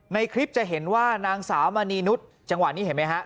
ในคลิปจะเห็นว่านางสาวมณีนุษย์จังหวะนี้เห็นไหมฮะ